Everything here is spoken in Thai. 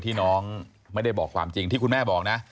ที่น้องไม่ได้บอกความจริงที่คุณแม่บอกนะ